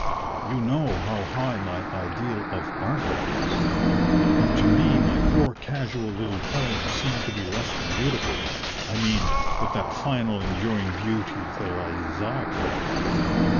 You know how high my ideal of Art is; and to me my poor casual little poems seem to be less than beautiful I mean with that final enduring beauty that I desire."